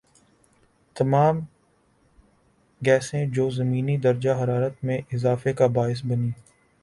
تمام گیسیں جو زمینی درجہ حرارت میں اضافے کا باعث بنیں